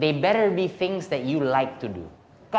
lebih baik menjadi hal yang anda suka lakukan